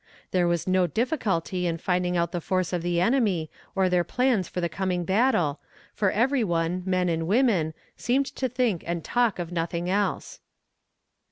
There was no difficulty in finding out the force of the enemy or their plans for the coming battle, for every one, men and women, seemed to think and talk of nothing else.